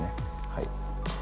はい。